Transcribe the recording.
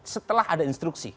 setelah ada instruksi